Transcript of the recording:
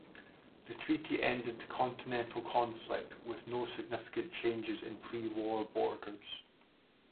The treaty ended the continental conflict with no significant changes in prewar borders.